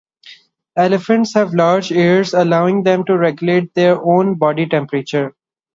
Elephants have large ears, allowing them to regulate their own body temperature.